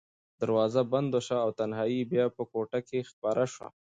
دروازه بنده شوه او تنهایي بیا په کوټه کې خپره شوه.